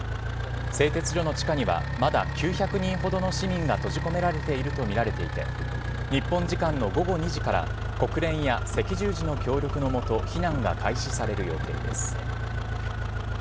製鉄所の地下には、まだ９００人ほどの市民が閉じ込められていると見られていて、日本時間の午後２時から、国連や赤十字の協力のもと、避難が開始される予定です。